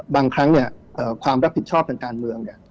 บางครั้งความรับผิดชอบในการเมือง